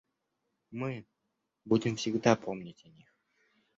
Мы будем всегда помнить о них.